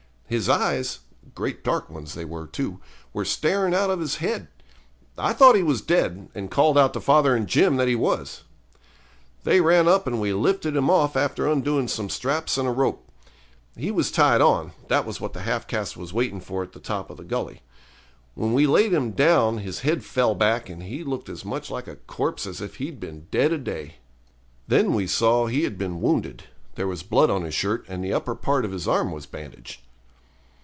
His eyes great dark ones they were, too were staring out of his head. I thought he was dead, and called out to father and Jim that he was. They ran up, and we lifted him off after undoing some straps and a rope. He was tied on (that was what the half caste was waiting for at the top of the gully). When we laid him down his head fell back, and he looked as much like a corpse as if he had been dead a day. Then we saw he had been wounded. There was blood on his shirt, and the upper part of his arm was bandaged.